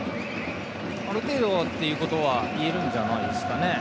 ある程度ということは言えるんじゃないですかね。